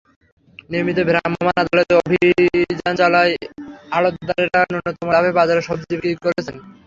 নিয়মিত ভ্রাম্যমাণ আদালতের অভিযান চলায় আড়তদারেরা ন্যূনতম লাভে বাজারে সবজি বিক্রি করছেন।